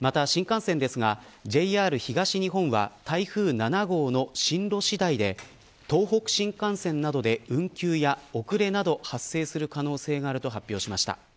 また、新幹線ですがＪＲ東日本は台風７号の進路次第で東北新幹線などで運休や遅れなどが発生する可能性があると発表しました。